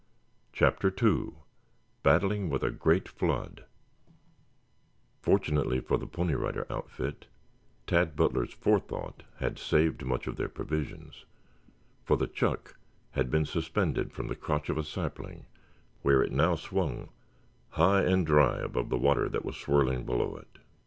CHAPTER II BATTLING WITH A GREAT FLOOD Fortunately for the Pony Rider outfit, Tad Butler's forethought had saved much of their provisions, for the "chuck" had been suspended from the crotch of a sapling where it now swung high and dry above the water that was swirling below it.